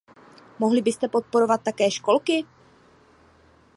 Mohli byste podporovat také školky?